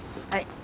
はい。